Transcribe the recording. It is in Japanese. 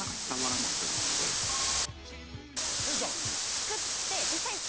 作って。